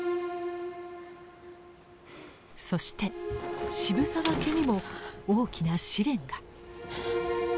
そして渋沢家にも大きな試練が。